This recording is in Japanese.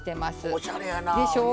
おしゃれやなぁ。でしょう。